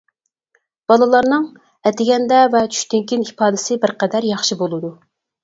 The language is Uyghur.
بالىلارنىڭ ئەتىگەندە ۋە چۈشتىن كېيىن ئىپادىسى بىرقەدەر ياخشى بولىدۇ.